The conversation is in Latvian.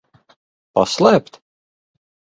Paslēpt?